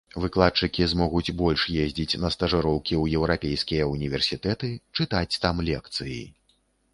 Выкладчыкі змогуць больш ездзіць на стажыроўкі ў еўрапейскія ўніверсітэты, чытаць там лекцыі.